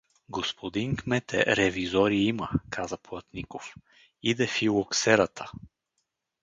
— Г-н кмете, ревизори има — каза Платников. — Иде филоксерата!